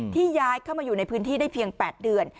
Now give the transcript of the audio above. ย้ายเข้ามาอยู่ในพื้นที่ได้เพียง๘เดือน